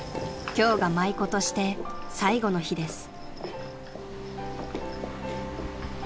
今日が舞妓として最後の日です］